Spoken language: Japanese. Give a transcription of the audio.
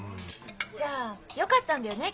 じゃあよかったんだよね